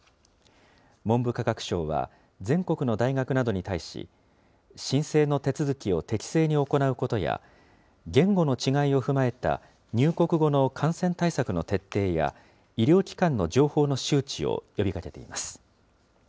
文部科学省は全国の大学などに対し、申請の手続きを適正に行うことや、言語の違いを踏まえた入国後の感染対策の徹底や、医療機関の情報の周知を呼びかけています。